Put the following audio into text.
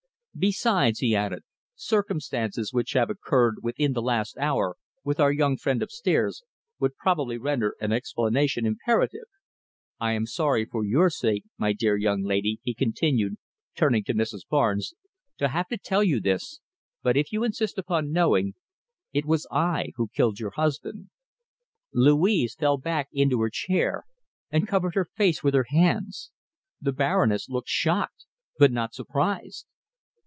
Besides," he added, "circumstances which have occurred within the last hour with our young friend upstairs would probably render an explanation imperative! I am sorry for your sake, my dear young lady," he continued, turning to Mrs. Barnes, "to have to tell you this, but if you insist upon knowing, it was I who killed your husband." Louise fell back into her chair and covered her face with her hands. The Baroness looked shocked but not surprised.